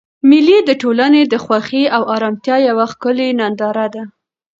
مېلې د ټولنې د خوښۍ او ارامتیا یوه ښکلیه ننداره ده.